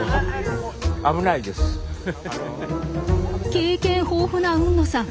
経験豊富な海野さん